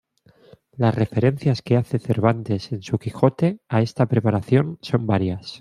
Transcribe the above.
Las referencias que hace Cervantes en su Quijote a esta preparación son varias.